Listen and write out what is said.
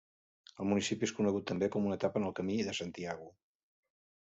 El municipi és conegut també com una etapa en el Camí de Santiago.